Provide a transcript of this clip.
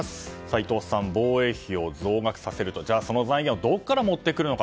伊藤さん、防衛費を増額させるとその財源をどこから持ってくるのか。